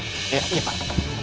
iya ini pak